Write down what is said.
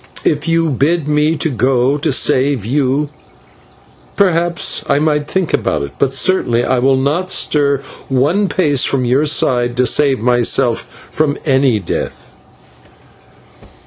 If you bid me to go to save you, perhaps I might think about it; but certainly I will not stir one pace from your side to save myself from any death."